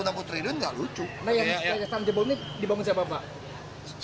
yang tanggul jebol ini dibangun siapa pak